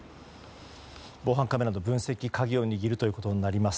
防犯カメラの分析が鍵を握るということになります。